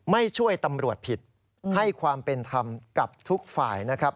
ไม่ช่วยตำรวจผิดให้ความเป็นธรรมกับทุกฝ่ายนะครับ